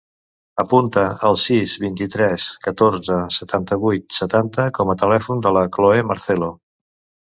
Apunta el sis, vint-i-tres, catorze, setanta-vuit, setanta com a telèfon de la Cloè Marcelo.